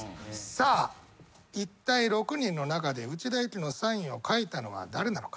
さあいったい６人の中で内田有紀のサインを書いたのは誰なのか？